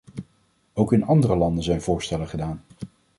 Ook in andere landen zijn voorstellen gedaan.